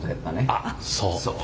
あっそう。